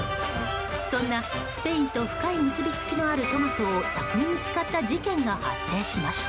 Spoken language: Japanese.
そんな、スペインと深い結びつきのあるトマトを巧みに使った事件が発生しました。